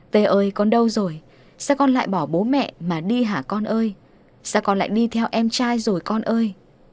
tê ơi con đâu rồi sao con lại bỏ bố mẹ mà đi hả con ơi sao con lại đi theo em trai rồi con ơi